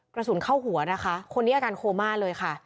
กระสุนเข้าหัวนะคะคนนี้อาการโคม่าเลยค่ะ